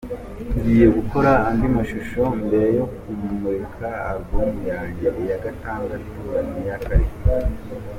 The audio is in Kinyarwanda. Ngiye gukora andi mashusho mbere yo kumurika album zanjye , iya gatandatu n’iya karindwi”.